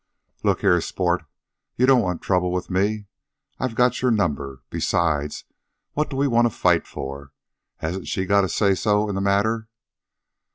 "Look here, sport, you don't want trouble with me. I've got your number. Besides, what do we want to fight for? Hasn't she got a say so in the matter?"